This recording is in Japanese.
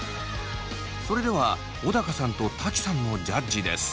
それでは小高さんと瀧さんのジャッジです。